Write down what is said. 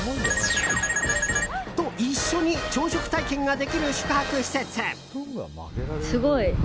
○○と一緒に朝食体験ができる宿泊施設。